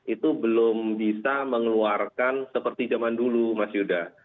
itu belum bisa mengeluarkan seperti zaman dulu mas yuda